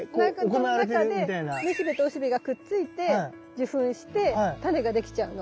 この中でめしべとおしべがくっついて受粉してタネができちゃうの。